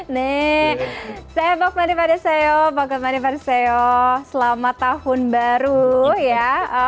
nek saya bakmani pada sayo bakmani pada sayo selamat tahun baru ya